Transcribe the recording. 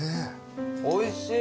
おいしい。